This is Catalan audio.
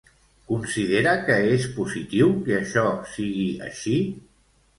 Considera que és positiu que això sigui així?